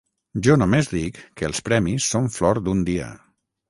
Jo només dic que els premis són flor d'un dia.